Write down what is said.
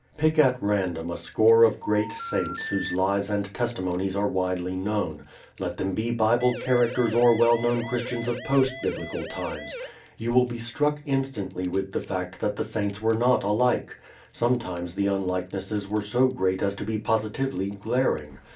Pick at random a score of great saints whose lives and testimonies are widely known. Let them be Bible characters or well known Christians of post Biblical times. You will be struck instantly with the fact that the saints were not alike. Sometimes the unlikenesses were so great as to be positively glaring.